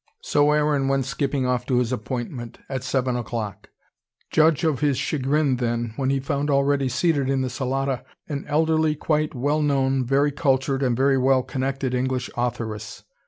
So Aaron went skipping off to his appointment, at seven o'clock. Judge of his chagrin, then, when he found already seated in the salotta an elderly, quite well known, very cultured and very well connected English authoress.